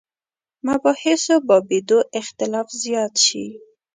مباحثو بابېدو اختلاف زیات شي.